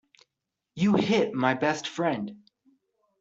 You hit my best friend.